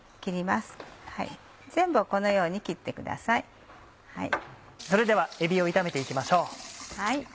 それではえびを炒めて行きましょう。